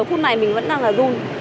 phút này mình vẫn đang là run